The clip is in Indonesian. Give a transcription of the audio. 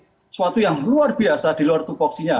dalam arti suatu yang luar biasa di luar tupuksinya